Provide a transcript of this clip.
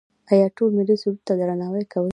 آیا ټول ملي سرود ته درناوی کوي؟